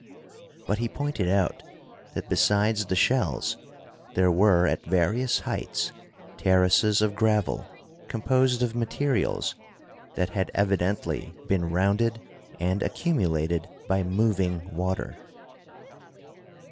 But he pointed out that besides the shells there were at various heights terraces of gravel composed of materials that had evidently been rounded and accumulated by moving water.